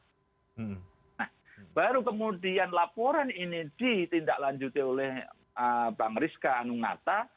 nah baru kemudian laporan ini ditindaklanjuti oleh bang rizka anungata